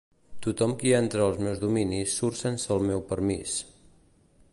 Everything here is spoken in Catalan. Tothom qui entra als meus dominis surt sense el meu permís.